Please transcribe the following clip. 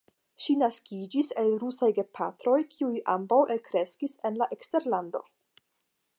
Ŝi naskiĝis el rusaj gepatroj, kiuj ambaŭ elkreskis en la eksterlando.